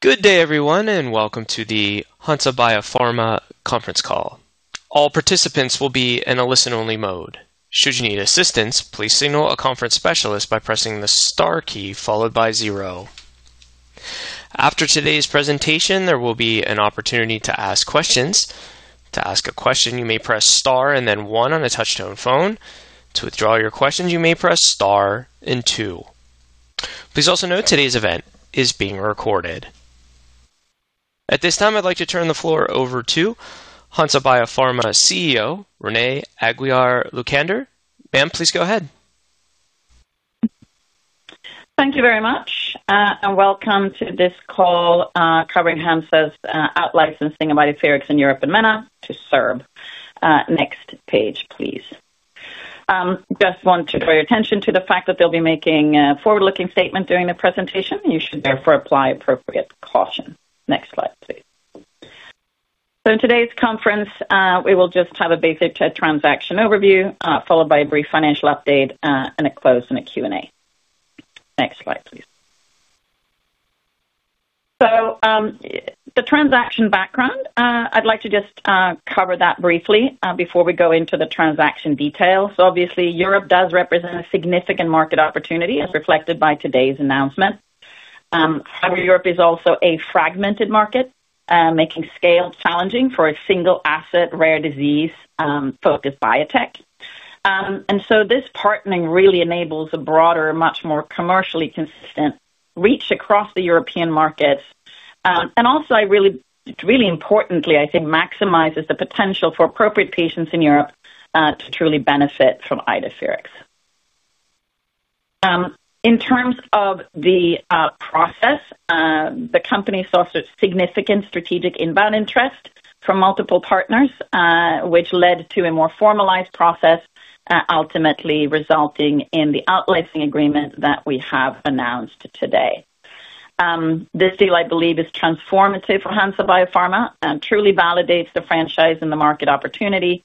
Good day, everyone, and welcome to the Hansa Biopharma conference call. All participants will be in a listen-only mode. Should you need assistance, please signal a conference specialist by pressing the star key followed by zero. After today's presentation, there will be an opportunity to ask questions. To ask a question, you may press star and then one on a touch-tone phone. To withdraw your question, you may press star and two. Please also note today's event is being recorded. At this time, I'd like to turn the floor over to Hansa Biopharma CEO, Renée Aguiar-Lucander. Ma'am, please go ahead. Thank you very much, and welcome to this call, covering Hansa's out-licensing of IDEFIRIX in Europe and MENA to SERB. Next page, please. Just want to draw your attention to the fact that they'll be making a forward-looking statement during the presentation. You should therefore apply appropriate caution. Next slide, please. In today's conference, we will just have a basic transaction overview, followed by a brief financial update, and a close and a Q&A. Next slide, please. The transaction background, I'd like to just cover that briefly, before we go into the transaction details. Obviously, Europe does represent a significant market opportunity as reflected by today's announcement. However, Europe is also a fragmented market, making scale challenging for a single asset, rare disease, focused biotech. This partnering really enables a broader, much more commercially consistent reach across the European markets. I really importantly, I think maximizes the potential for appropriate patients in Europe to truly benefit from IDEFIRIX. In terms of the process, the company saw such significant strategic inbound interest from multiple partners, which led to a more formalized process, ultimately resulting in the out-licensing agreement that we have announced today. This deal, I believe, is transformative for Hansa Biopharma and truly validates the franchise and the market opportunity.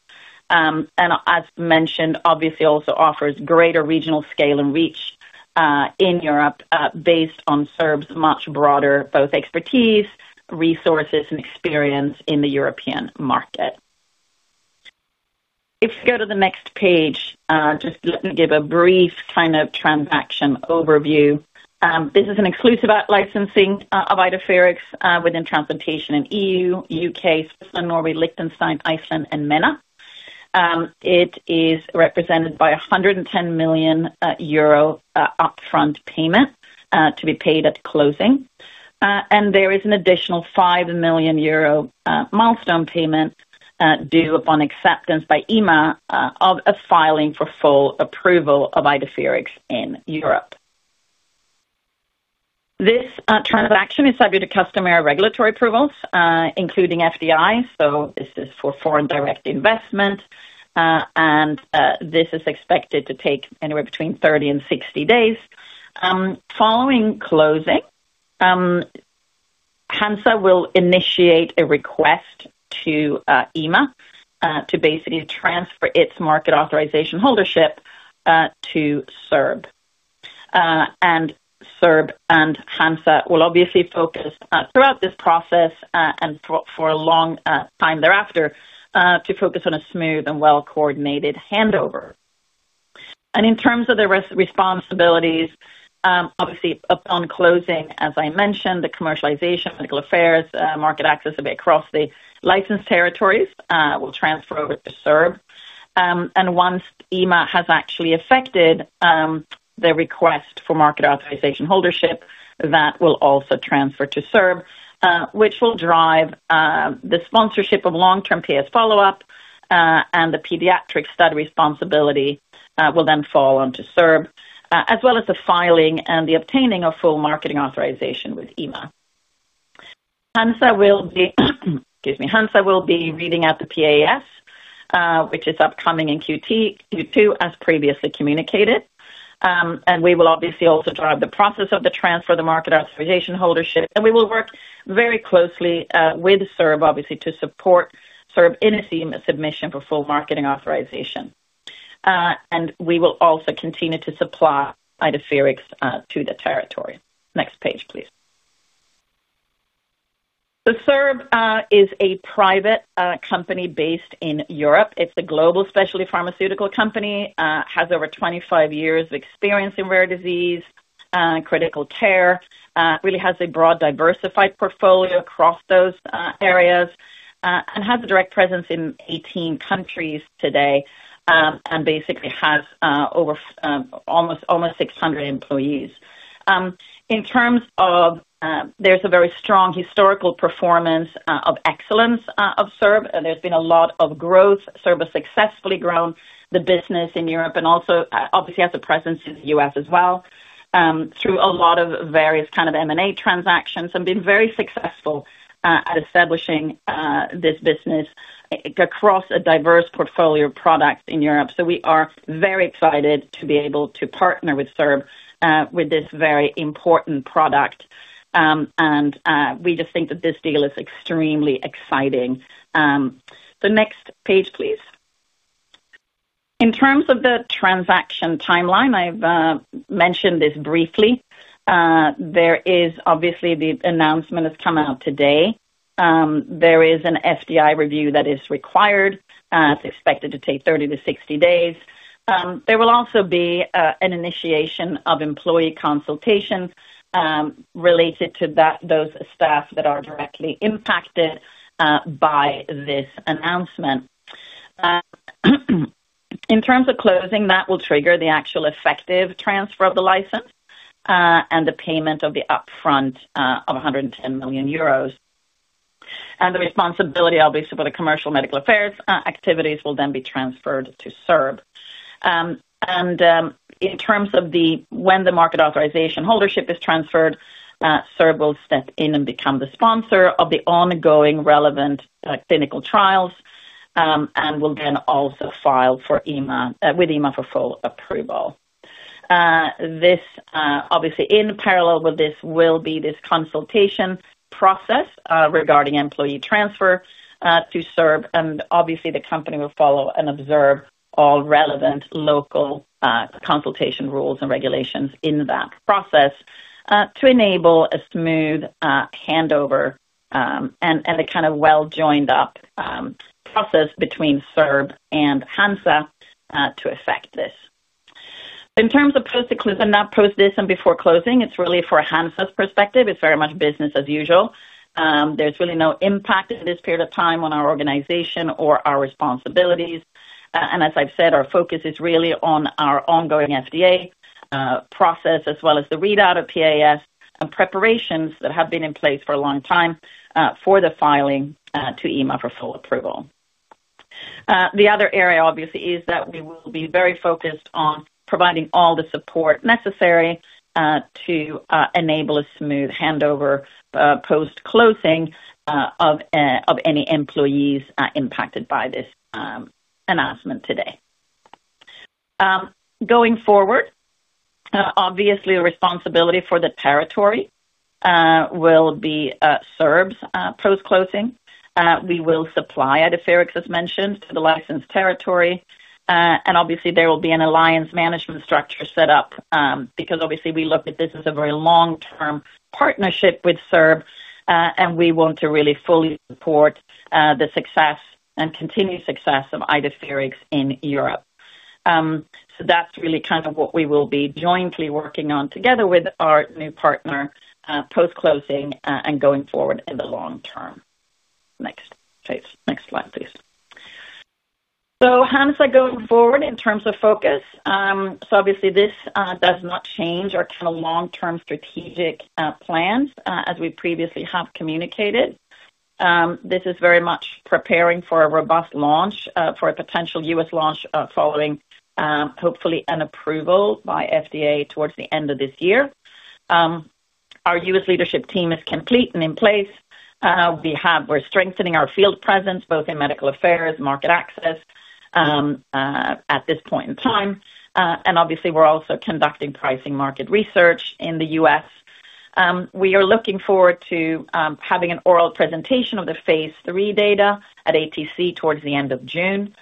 As mentioned, obviously also offers greater regional scale and reach in Europe, based on SERB's much broader, both expertise, resources and experience in the European market. If you go to the next page, just let me give a brief kind of transaction overview. This is an exclusive out-licensing of IDEFIRIX within transplantation in EU, UK, Switzerland, Norway, Liechtenstein, Iceland and MENA. It is represented by a 110 million euro upfront payment to be paid at closing. There is an additional 5 million euro milestone payment due upon acceptance by EMA of a filing for full approval of IDEFIRIX in Europe. This transaction is subject to customary regulatory approvals, including FDI. This is for foreign direct investment, this is expected to take anywhere between 30 and 60 days. Following closing, Hansa will initiate a request to EMA to basically transfer its market authorization holdership to SERB. SERB and Hansa will obviously focus throughout this process, and for a long time thereafter, to focus on a smooth and well-coordinated handover. In terms of the responsibilities, obviously upon closing, as I mentioned, the commercialization, medical affairs, market access a bit across the licensed territories, will transfer over to SERB. Once EMA has actually affected the request for market authorization holdership, that will also transfer to SERB, which will drive the sponsorship of long-term PAS follow-up, and the pediatric study responsibility, will then fall onto SERB, as well as the filing and the obtaining of full marketing authorization with EMA. Excuse me. Hansa will be reading out the PAS, which is upcoming in Q2 as previously communicated. And we will obviously also drive the process of the transfer of the market authorization holdership, and we will work very closely with SERB, obviously, to support SERB in its EMA submission for full marketing authorization. And we will also continue to supply IDEFIRIX to the territory. Next page, please. SERB is a private company based in Europe. It's a global specialty pharmaceutical company, has over 25 years experience in rare disease, critical care. Really has a broad, diversified portfolio across those areas, and has a direct presence in 18 countries today, and basically has almost 600 employees. In terms of, there's a very strong historical performance of excellence of SERB. There's been a lot of growth. SERB has successfully grown the business in Europe and also obviously has a presence in the U.S. as well, through a lot of various kind of M&A transactions and been very successful at establishing this business across a diverse portfolio of products in Europe. We are very excited to be able to partner with SERB with this very important product. We just think that this deal is extremely exciting. Next page, please. In terms of the transaction timeline, I've mentioned this briefly. There is obviously the announcement has come out today. There is an FDI review that is required. It's expected to take 30 to 60 days. There will also be an initiation of employee consultations related to those staff that are directly impacted by this announcement. In terms of closing, that will trigger the actual effective transfer of the license, and the payment of the upfront, of 110 million euros. The responsibility, obviously, for the commercial medical affairs, activities will then be transferred to SERB. When the market authorization holdership is transferred, SERB will step in and become the sponsor of the ongoing relevant, clinical trials, and will then also file with EMA for full approval. This, obviously in parallel with this will be this consultation process, regarding employee transfer, to SERB. Obviously, the company will follow and observe all relevant local consultation rules and regulations in that process to enable a smooth handover and a kind of well joined up process between SERB and Hansa to effect this. In terms of post execution and post this and before closing, it's really for Hansa's perspective, it's very much business as usual. There's really no impact at this period of time on our organization or our responsibilities. As I've said, our focus is really on our ongoing FDA process as well as the readout of PAS and preparations that have been in place for a long time for the filing to EMA for full approval. The other area, obviously, is that we will be very focused on providing all the support necessary to enable a smooth handover post-closing of any employees impacted by this announcement today. Going forward, obviously responsibility for the territory will be SERB's post-closing. We will supply IDEFIRIX, as mentioned, to the licensed territory. Obviously there will be an alliance management structure set up because obviously we look at this as a very long-term partnership with SERB, and we want to really fully support the success and continued success of IDEFIRIX in Europe. That's really kind of what we will be jointly working on together with our new partner, post-closing, and going forward in the long term. Next page. Next slide, please. Hansa going forward in terms of focus. Obviously this does not change our kind of long-term strategic plans as we previously have communicated. This is very much preparing for a robust launch for a potential U.S. launch following hopefully an approval by FDA towards the end of this year. Our U.S. leadership team is complete and in place. We're strengthening our field presence both in medical affairs, market access at this point in time. Obviously we're also conducting pricing market research in the U.S. We are looking forward to having an oral presentation of the phase III data at ATC towards the end of June.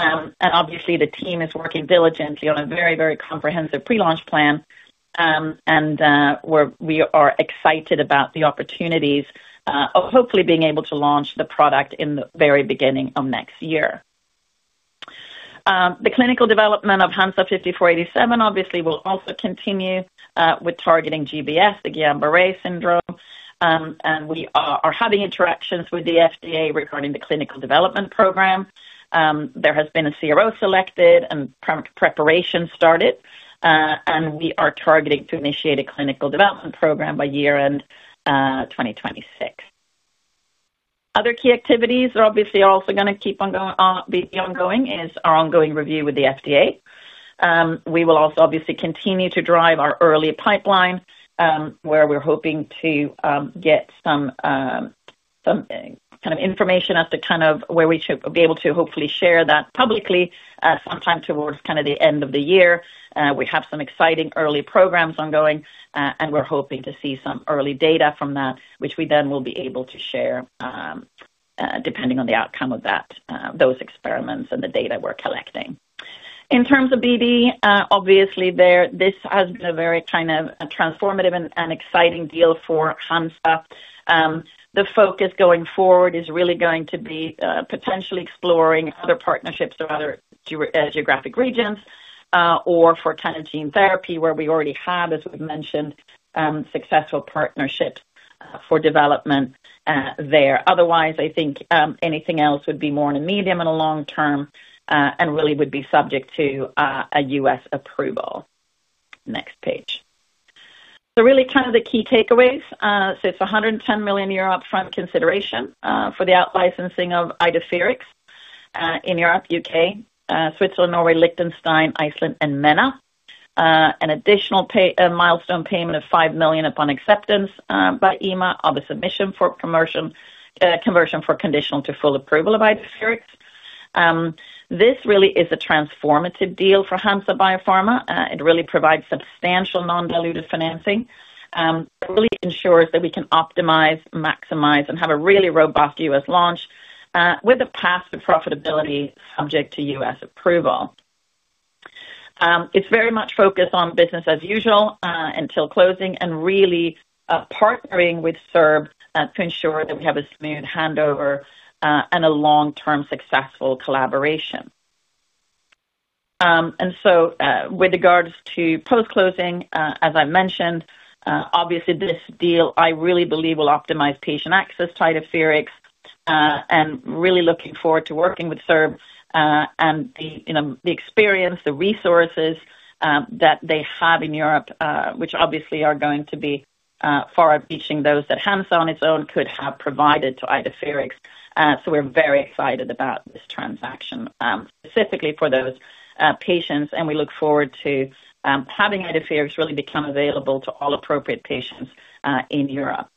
Obviously, the team is working diligently on a very, very comprehensive pre-launch plan. We are excited about the opportunities of hopefully being able to launch the product in the very beginning of next year. The clinical development of HNSA-5487 obviously will also continue with targeting GBS, the Guillain-Barré syndrome. We are having interactions with the FDA regarding the clinical development program. There has been a CRO selected and preparation started, and we are targeting to initiate a clinical development program by year-end 2026. Other key activities are obviously also gonna keep on going, be ongoing, is our ongoing review with the FDA. We will also obviously continue to drive our early pipeline, where we're hoping to get some kind of information as to kind of where we should be able to hopefully share that publicly, sometime towards kind of the end of the year. We have some exciting early programs ongoing, and we're hoping to see some early data from that which we then will be able to share, depending on the outcome of that, those experiments and the data we're collecting. In terms of BD, obviously there, this has been a very kind of transformative and exciting deal for Hansa. The focus going forward is really going to be potentially exploring other partnerships or other geographic regions or for kind of gene therapy where we already have, as we've mentioned, successful partnerships for development there. Otherwise, I think anything else would be more in a medium and a long-term and really would be subject to a U.S. approval. Next page. Really kind of the key takeaways. It's a 110 million euro upfront consideration for the out licensing of IDEFIRIX in Europe, U.K., Switzerland, Norway, Liechtenstein, Iceland and MENA. An additional milestone payment of 5 million upon acceptance by EMA of a submission for conversion for conditional to full approval of IDEFIRIX. This really is a transformative deal for Hansa Biopharma. It really provides substantial non-dilutive financing. Really ensures that we can optimize, maximize, and have a really robust U.S. launch with a path to profitability subject to U.S. approval. It's very much focused on business as usual until closing and really partnering with SERB to ensure that we have a smooth handover and a long-term successful collaboration. With regards to post-closing, as I mentioned, obviously this deal I really believe will optimize patient access to IDEFIRIX and really looking forward to working with SERB and the, you know, the experience, the resources that they have in Europe, which obviously are going to be far reaching those that Hansa on its own could have provided to IDEFIRIX. We're very excited about this transaction, specifically for those patients, and we look forward to having IDEFIRIX really become available to all appropriate patients in Europe.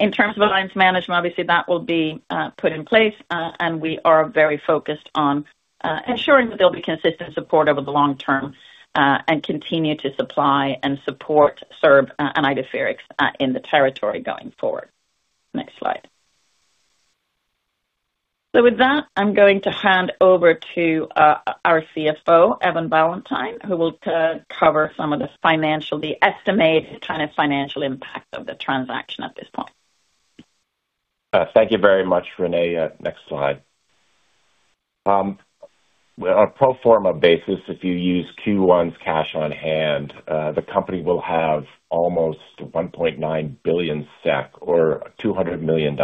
In terms of alliance management, obviously that will be put in place, and we are very focused on ensuring that there'll be consistent support over the long term, and continue to supply and support SERB and IDEFIRIX in the territory going forward. Next slide. With that, I'm going to hand over to our CFO, Evan Ballantyne, who will cover some of the financial, the estimated kind of financial impact of the transaction at this point. Thank you very much, Renée. Next slide. On a pro forma basis, if you use Q1's cash on hand, the company will have almost 1.9 billion SEK or $200 million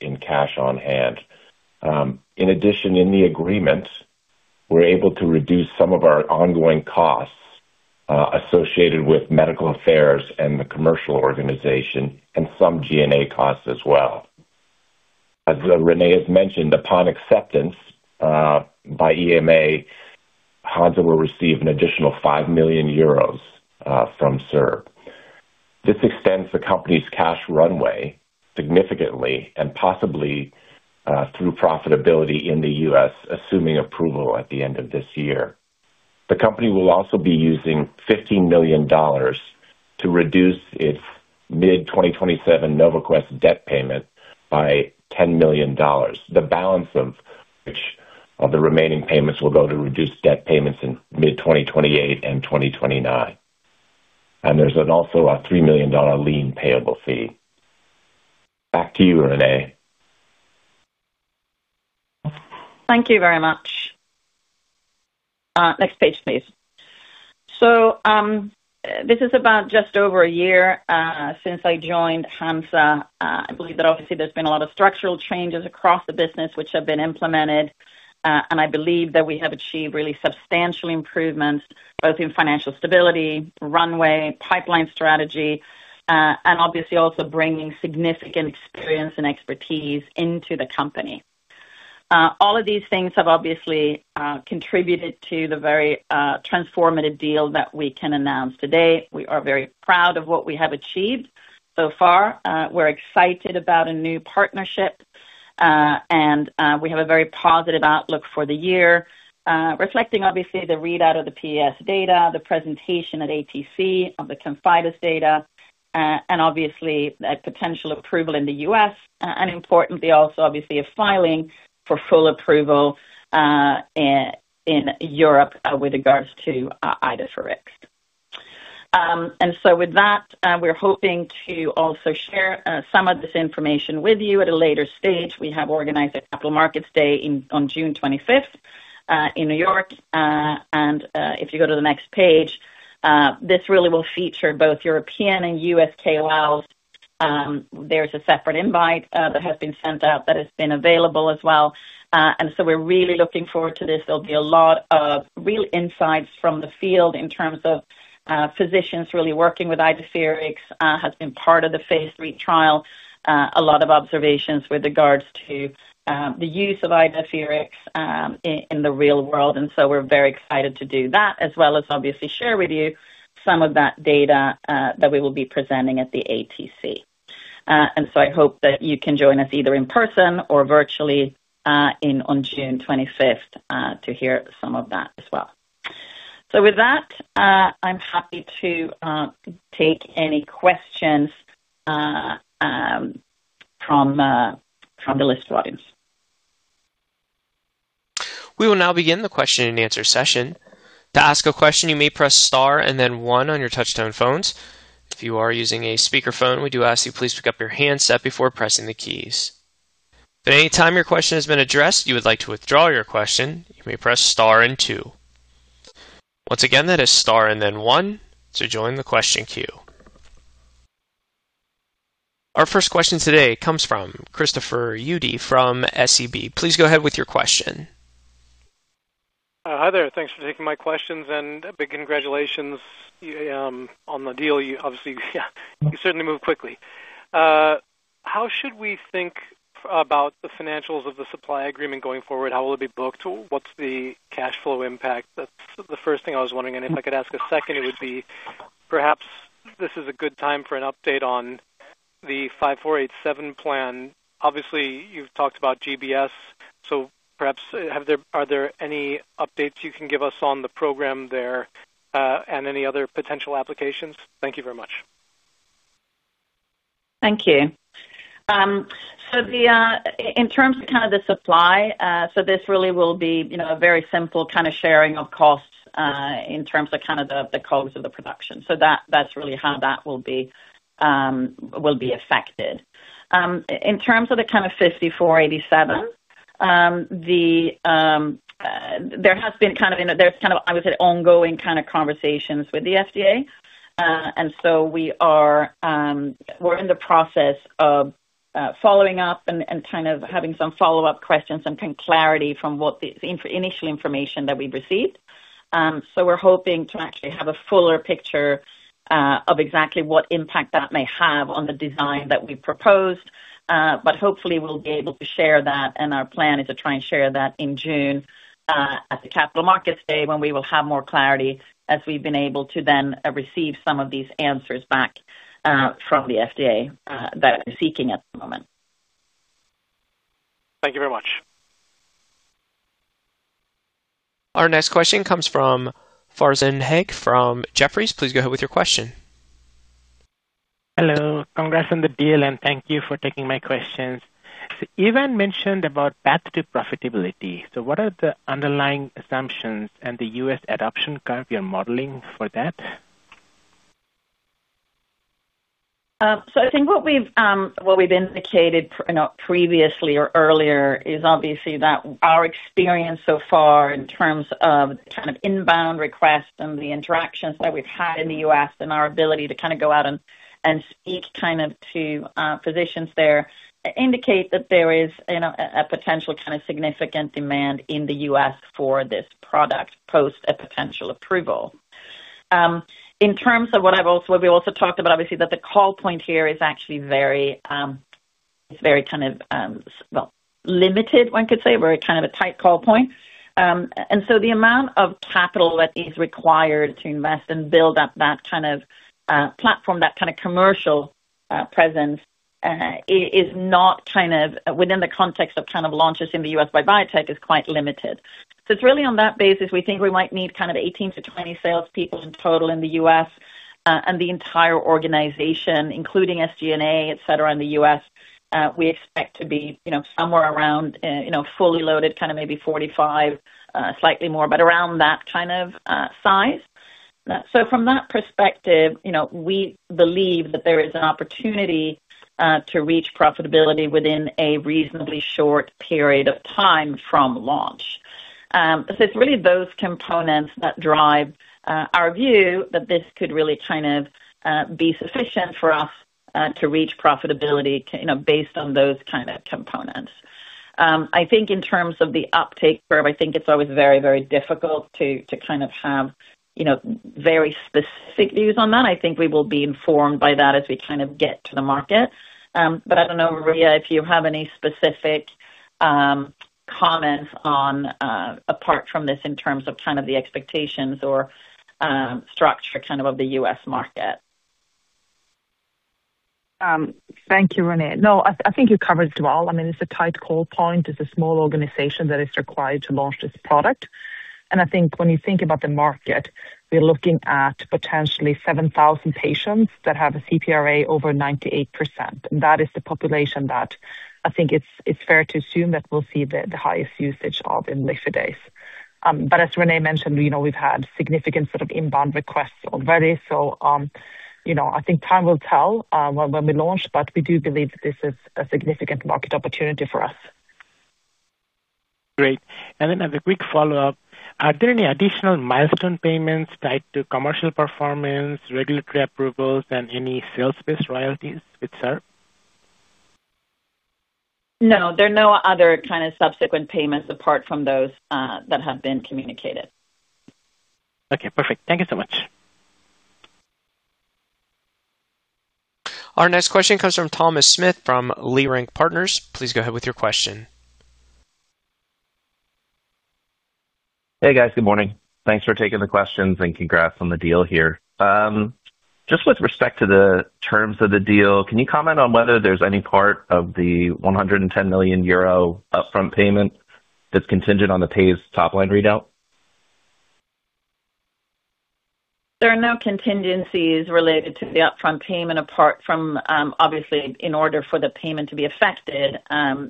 in cash on hand. In addition, in the agreement, we're able to reduce some of our ongoing costs associated with medical affairs and the commercial organization and some G&A costs as well. As Renée has mentioned, upon acceptance by EMA, Hansa will receive an additional 5 million euros from SERB. This extends the company's cash runway significantly and possibly through profitability in the U.S., assuming approval at the end of this year. The company will also be using $15 million to reduce its mid-2027 NovaQuest debt payment by $10 million. The balance of which of the remaining payments will go to reduce debt payments in mid 2028 and 2029. There's an also a $3 million loan payable fee Back to you, Renée. Thank you very much. Next page, please. This is about just over a year since I joined Hansa. I believe that obviously there's been a lot of structural changes across the business which have been implemented, and I believe that we have achieved really substantial improvements both in financial stability, runway, pipeline strategy, and obviously also bringing significant experience and expertise into the company. All of these things have obviously contributed to the very transformative deal that we can announce today. We are very proud of what we have achieved so far. We're excited about a new partnership, and we have a very positive outlook for the year, reflecting obviously the readout of the PAS data the presentation at ATC of the ConfideS data, and obviously a potential approval in the U.S., and importantly also obviously a filing for full approval in Europe, with regards to IDEFIRIX. With that, we're hoping to also share some of this information with you at a later stage. We have organized a capital markets day on June 25th in New York. If you go to the next page, this really will feature both European and U.S. KOLs. There's a separate invite that has been sent out that has been available as well. We're really looking forward to this. There'll be a lot of real insights from the field in terms of physicians really working with IDEFIRIX has been part of the phase III trial. A lot of observations with regards to the use of IDEFIRIX in the real world. We're very excited to do that as well as obviously share with you some of that data that we will be presenting at the ATC. I hope that you can join us either in person or virtually on June 25th to hear some of that as well. With that, I'm happy to take any questions from the list audience. Our first question today comes from Christopher Uhde from SEB. Please go ahead with your question. Hi there. Thanks for taking my questions and a big congratulations on the deal. You obviously certainly moved quickly. How should we think about the financials of the supply agreement going forward? How will it be booked? What's the cash flow impact? That's the first thing I was wondering. If I could ask a second, it would be, perhaps this is a good time for an update on the HNSA-5487 plan. Obviously, you've talked about GBS, perhaps are there any updates you can give us on the program there, and any other potential applications? Thank you very much. Thank you. In terms of kind of the supply, this really will be, you know, a very simple kind of sharing of costs in terms of kind of the codes of the production. That's really how that will be affected. In terms of the kind of HNSA-5487, there's kind of, I would say, ongoing kind of conversations with the FDA. We are in the process of following up and kind of having some follow-up questions and getting clarity from what the initial information that we've received. We are hoping to actually have a fuller picture of exactly what impact that may have on the design that we proposed. Hopefully we'll be able to share that, and our plan is to try and share that in June, at the Capital Markets Day, when we will have more clarity as we've been able to then receive some of these answers back, from the FDA, that we're seeking at the moment. Thank you very much. Our next question comes from Farzin Haque from Jefferies. Please go ahead with your question. Hello. Congrats on the deal, and thank you for taking my questions. Evan mentioned about path to profitability. What are the underlying assumptions and the U.S. adoption curve you're modeling for that? I think what we've, what we've indicated previously or earlier is obviously that our experience so far in terms of kind of inbound requests and the interactions that we've had in the U.S. and our ability to kind of go out and speak kind of to physicians there indicate that there is, you know, a potential kind of significant demand in the U.S. for this product, post a potential approval. In terms of we also talked about obviously that the call point here is actually very, it's very kind of, well, limited, one could say, very kind of a tight call point. The amount of capital that is required to invest and build up that kind of platform, that kind of commercial presence, is not kind of within the context of kind of launches in the U.S. by biotech is quite limited. It's really on that basis, we think we might need kind of 18 to 20 salespeople in total in the U.S., and the entire organization, including SG&A, et cetera, in the U.S., we expect to be somewhere around fully loaded, kind of maybe 45, slightly more, but around that kind of size. From that perspective, we believe that there is an opportunity to reach profitability within a reasonably short period of time from launch. It's really those components that drive our view that this could really be sufficient for us to reach profitability, you know, based on those components. I think in terms of the uptake curve, I think it's always very difficult to kind of have, you know, very specific views on that. I think we will be informed by that as we kind of get to the market. I don't know, Maria, if you have any specific comments on apart from this in terms of the expectations or structure the U.S. market. Thank you, Renée. No, I think you covered it well. I mean, it's a tight call point. It's a small organization that is required to launch this product. I think when you think about the market, we're looking at potentially 7,000 patients that have a CPRA over 98%. That is the population that I think it's fair to assume that we'll see the highest usage of in later days. As Renee mentioned, you know, we've had significant sort of inbound requests already. You know, I think time will tell when we launch, but we do believe that this is a significant market opportunity for us. Great. As a quick follow-up, are there any additional milestone payments tied to commercial performance, regulatory approvals, and any sales-based royalties with SERB? No, there are no other kind of subsequent payments apart from those that have been communicated. Okay, perfect. Thank you so much. Our next question comes from Thomas Smith from Leerink Partners. Please go ahead with your question. Hey, guys. Good morning. Thanks for taking the questions and congrats on the deal here. Just with respect to the terms of the deal, can you comment on whether there's any part of the 110 million euro upfront payment that's contingent on the ConfideS phase III top line readout? There are no contingencies related to the upfront payment apart from, obviously in order for the payment to be affected,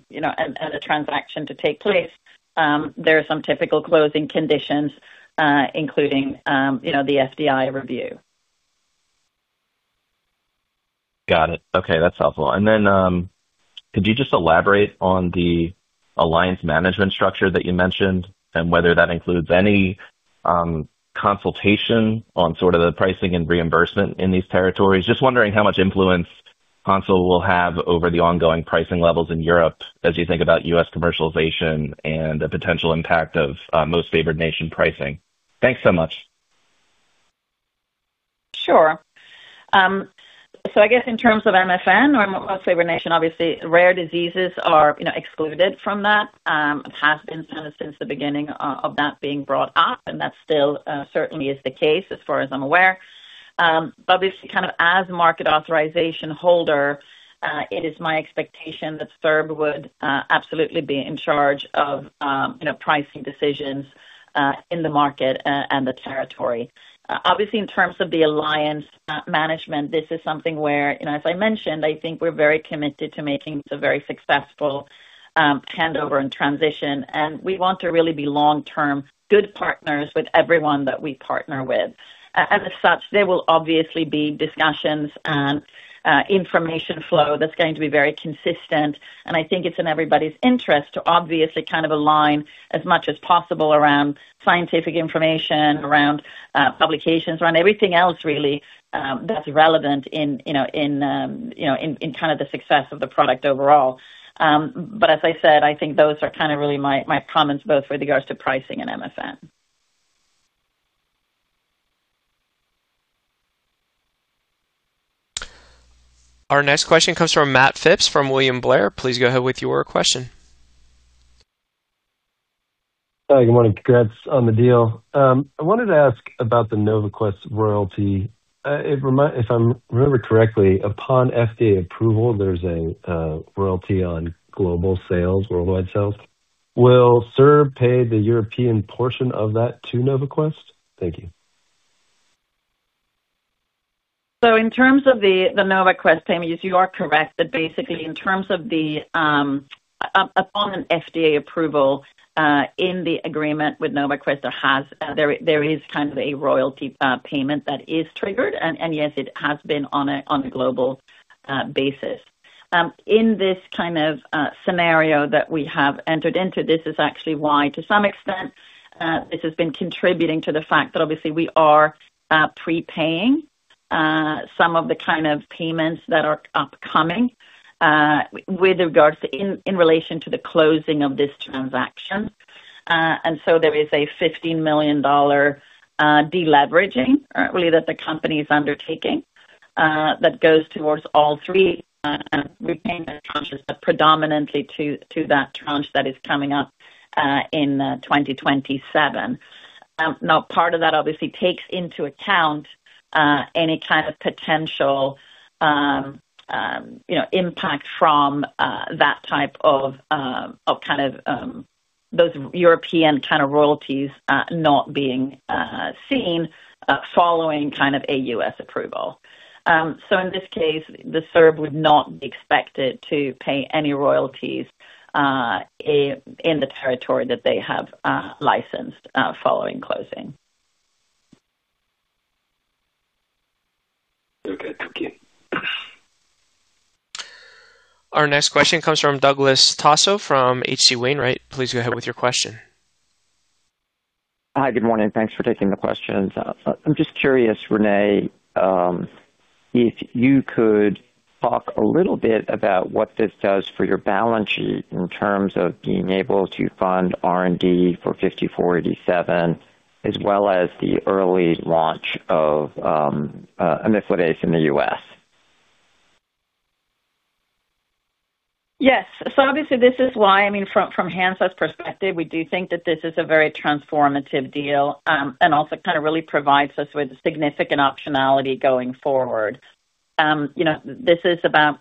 you know, and the transaction to take place, there are some typical closing conditions, including, you know, the FDI review. Got it. Okay. That's helpful. Could you just elaborate on the alliance management structure that you mentioned and whether that includes any consultation on sort of the pricing and reimbursement in these territories? Just wondering how much influence Hansa will have over the ongoing pricing levels in Europe as you think about U.S. commercialization and the potential impact of most favored nation pricing. Thanks so much. Sure. I guess in terms of MFN or most favored nation, obviously rare diseases are, you know, excluded from that. It has been kind of since the beginning of that being brought up, and that still certainly is the case as far as I'm aware. Obviously kind of as market authorization holder, it is my expectation that SERB would absolutely be in charge of, you know, pricing decisions in the market and the territory. Obviously in terms of the alliance management, this is something where And as I mentioned, I think we're very committed to making this a very successful handover and transition, and we want to really be long-term good partners with everyone that we partner with. As such, there will obviously be discussions and information flow that's going to be very consistent, and I think it's in everybody's interest to obviously kind of align as much as possible around scientific information, around publications, around everything else really, that's relevant in, you know, in, you know, in kind of the success of the product overall. As I said, I think those are kind of really my comments both with regards to pricing and MFN. Our next question comes from Matthew Phipps from William Blair. Please go ahead with your question. Hi, good morning. Congrats on the deal. I wanted to ask about the NovaQuest royalty. If I remember correctly, upon FDA approval, there's a royalty on global sales, worldwide sales. Will SERB pay the European portion of that to NovaQuest? Thank you. In terms of the NovaQuest payment, yes, you are correct that in terms of the upon an FDA approval, in the agreement with NovaQuest, there is kind of a royalty payment that is triggered, and yes, it has been on a global basis. In this kind of scenario that we have entered into, this is actually why to some extent this has been contributing to the fact that obviously we are prepaying some of the kind of payments that are upcoming with regards to in relation to the closing of this transaction. There is a $50 million de-leveraging really that the company is undertaking that goes towards all three repayment tranches, but predominantly to that tranche that is coming up in 2027. Now part of that obviously takes into account any kind of potential, you know, impact from that type of of kind of those European kind of royalties not being seen following kind of a U.S. approval. In this case, SERB would not be expected to pay any royalties in the territory that they have licensed following closing. Okay. Thank you. Our next question comes from Douglas Tsao from H.C. Wainwright. Please go ahead with your question. Hi. Good morning. Thanks for taking the questions. I'm just curious, Renée, if you could talk a little bit about what this does for your balance sheet in terms of being able to fund R&D for 5487, as well as the early launch of imlifidase in the U.S. Yes. Obviously this is why, from Hansa's perspective, we do think that this is a very transformative deal and also really provides us with significant optionality going forward. This is about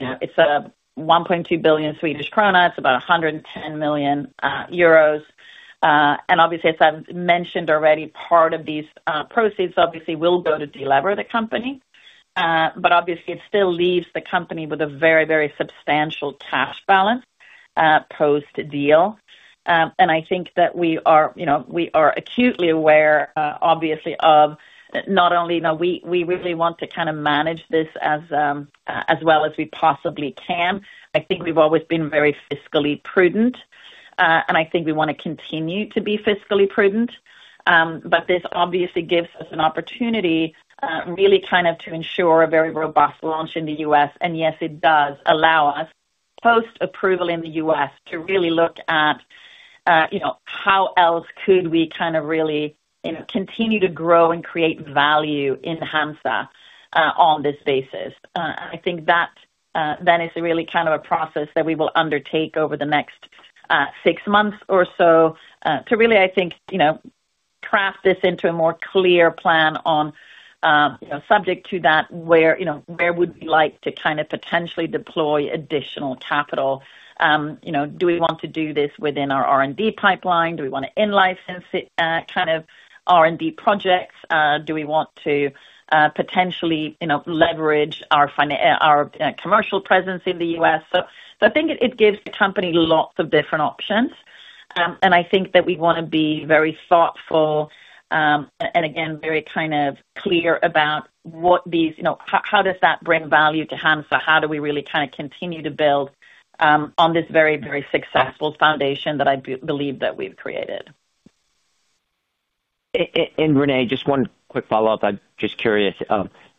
1.2 billion Swedish krona. It's about 110 million euros. Obviously, as I've mentioned already, part of these proceeds obviously will go to delever the company. Obviously it still leaves the company with a very substantial cash balance post-deal. I think that we are acutely aware obviously of not only, we really want to manage this as well as we possibly can. I think we've always been very fiscally prudent, and I think we want to continue to be fiscally prudent. This obviously gives us an opportunity really kind of to ensure a very robust launch in the U.S. Yes, it does allow us post-approval in the U.S. to really look at, you know, how else could we kind of really, you know, continue to grow and create value in Hansa on this basis. I think that then is really kind of a process that we will undertake over the next six months or so to really, I think, you know, craft this into a more clear plan on, you know, subject to that, where, you know, where would we like to kind of potentially deploy additional capital. You know, do we want to do this within our R&D pipeline? Do we want to in-license it, kind of R&D projects? Do we want to potentially, you know, leverage our commercial presence in the U.S.? I think it gives the company lots of different options. I think that we want to be very thoughtful, and again, very kind of clear about You know, how does that bring value to Hansa? How do we really kind of continue to build on this very, very successful foundation that I believe that we've created. Renée, just one quick follow-up. I'm just curious,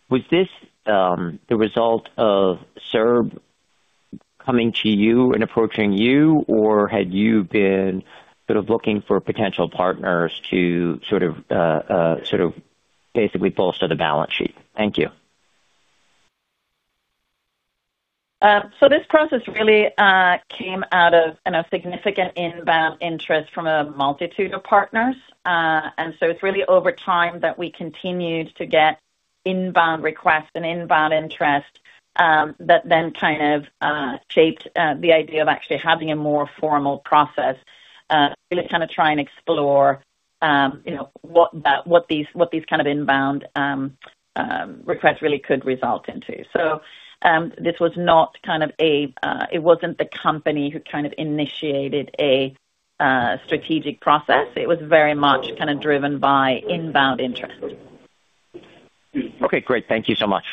was this the result of SERB coming to you and approaching you, or had you been sort of looking for potential partners to sort of basically bolster the balance sheet? Thank you. This process really came out of a significant inbound interest from a multitude of partners. It's really over time that we continued to get inbound requests and inbound interest that then kind of shaped the idea of actually having a more formal process really to kind of try and explore, you know, what these kind of inbound requests really could result into. This was not kind of a it wasn't the company who kind of initiated a strategic process. It was very much kind of driven by inbound interest. Okay, great. Thank you so much.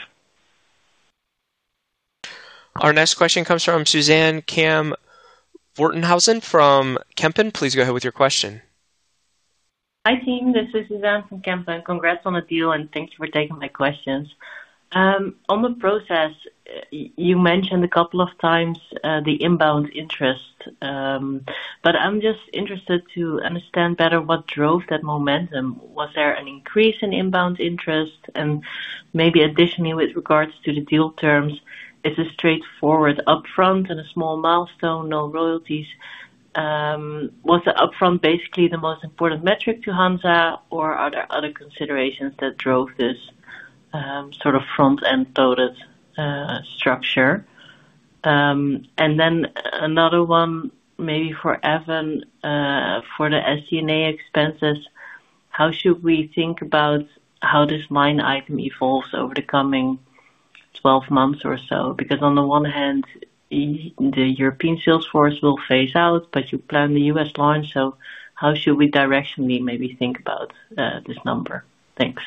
Our next question comes from Suzanne van Voorthuizen from Kempen & Co. Please go ahead with your question. Hi, team. This is Suzanne from Kempen. Congrats on the deal, and thanks for taking my questions. On the process, you mentioned a couple of times the inbound interest. I'm just interested to understand better what drove that momentum. Was there an increase in inbound interest? Maybe additionally with regards to the deal terms, it's a straightforward upfront and a small milestone, no royalties. Was the upfront basically the most important metric to Hansa or are there other considerations that drove this sort of front-end-loaded structure? Another one maybe for Evan, for the SG&A expenses, how should we think about how this line item evolves over the coming 12 months or so? On the one hand, the European sales force will phase out. You plan the U.S. launch. How should we directionally maybe think about this number? Thanks.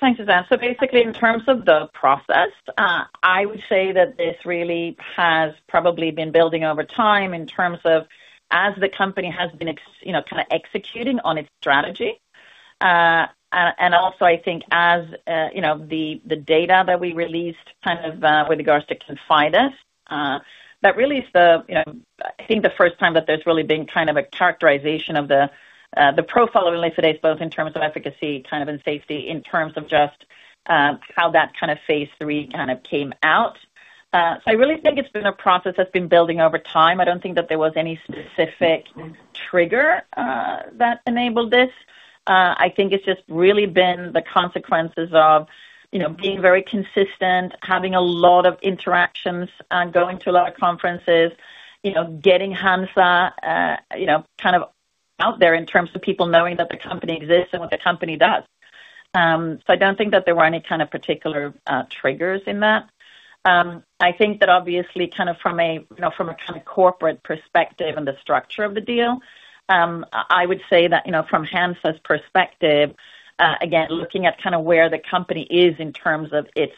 Thanks, Suzanne. Basically, in terms of the process, I would say that this really has probably been building over time in terms of as the company has been executing on its strategy. And also I think as, you know, the data that we released kind of with regards to ConfideS, that really is the, you know, I think the first time that there's really been kind of a characterization of the profile of imlifidase both in terms of efficacy kind of and safety, in terms of just how that kind of phase III kind of came out. So I really think it's been a process that's been building over time. I don't think that there was any specific trigger that enabled this. I think it's just really been the consequences of, you know, being very consistent, having a lot of interactions and going to a lot of conferences, you know, getting Hansa, you know, kind of out there in terms of people knowing that the company exists and what the company does. I don't think that there were any kind of particular triggers in that. I think that obviously kind of from a, you know, from a kind of corporate perspective and the structure of the deal, I would say that, you know, from Hansa's perspective, again, looking at kind of where the company is in terms of its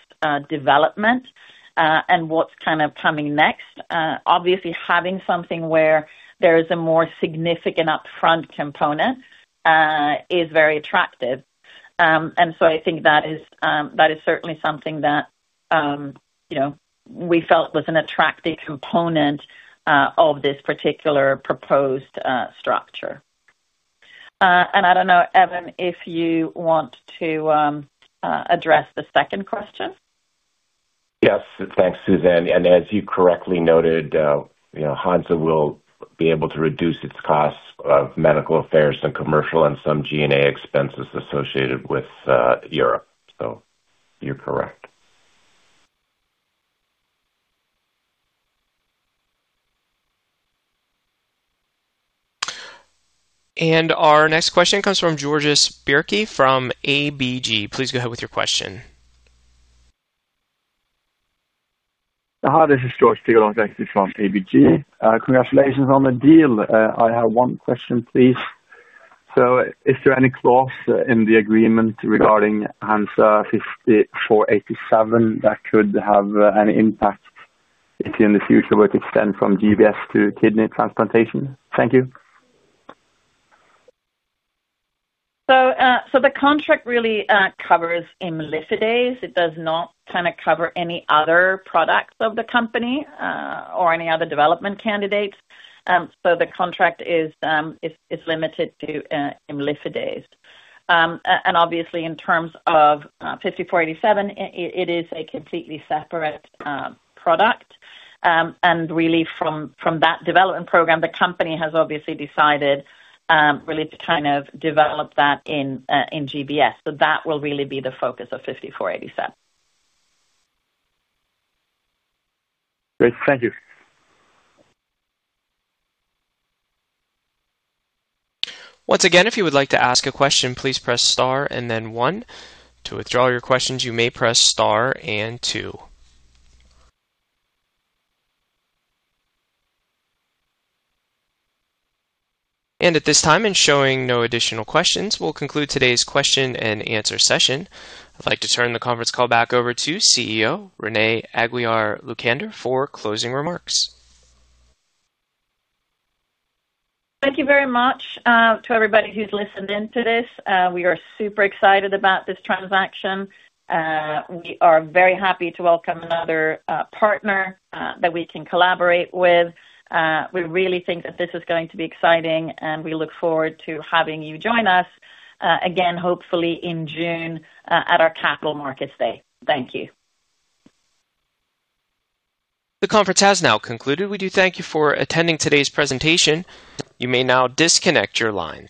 development, and what's kind of coming next, obviously having something where there is a more significant upfront component, is very attractive. I think that is, that is certainly something that, you know, we felt was an attractive component of this particular proposed structure. I don't know, Evan, if you want to address the second question. Yes. Thanks, Suzanne. As you correctly noted, you know, Hansa will be able to reduce its costs of medical affairs and commercial and some G&A expenses associated with Europe. You're correct. Our next question comes from Georges Bjerke from ABG. Please go ahead with your question. Hi, this is Georges Bjerke from ABG. Congratulations on the deal. I have one question, please. Is there any clause in the agreement regarding HNSA-5487 that could have an impact if in the future were to extend from GBS to kidney transplantation? Thank you. The contract really covers imlifidase. It does not kinda cover any other products of the company or any other development candidates. The contract is limited to imlifidase. And obviously in terms of HNSA-5487, it is a completely separate product. And really from that development program, the company has obviously decided really to kind of develop that in GBS. That will really be the focus of HNSA-5487. Great. Thank you. At this time, in showing no additional questions, we'll conclude today's question and answer session. I'd like to turn the conference call back over to CEO Renée Aguiar-Lucander for closing remarks. Thank you very much to everybody who's listened in to this. We are super excited about this transaction. We are very happy to welcome another partner that we can collaborate with. We really think that this is going to be exciting, and we look forward to having you join us again hopefully in June at our Capital Markets Day. Thank you. The conference has now concluded. We do thank you for attending today's presentation. You may now disconnect your lines.